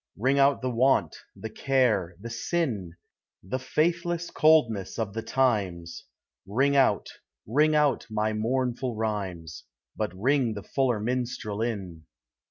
Ring out the want, the care, the sin, The faithless coldness of the times; Ring out, ring out my mournful rhymes, But ring the fuller minstrel in.